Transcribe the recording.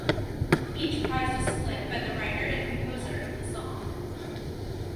Each prize was split by the writer and composer of the song.